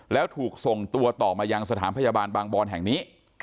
แล้วถูกส่งตัวต่อมายังสถานพยาบาลบางบอนแห่งนี้